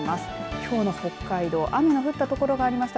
きょうの北海道雨の降った所がありました。